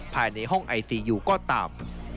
ภายในห้องไอซียูก็ตาม